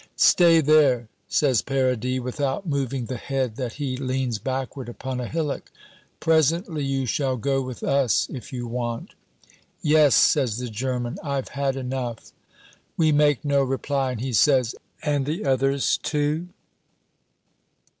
"Stay there," says Paradis, without moving the head that he leans backward upon a hillock; "presently you shall go with us if you want." "Yes," says the German, "I've had enough." We make no reply, and he says, "And the others too?"